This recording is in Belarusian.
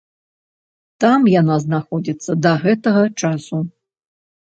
Там яна знаходзіцца да гэтага часу.